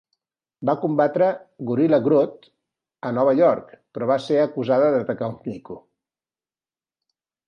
Va combatre Gorilla Grodd a Nova York, però va ser acusada d'atacar un "mico".